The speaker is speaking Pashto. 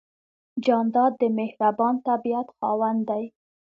جانداد د مهربان طبیعت خاوند دی.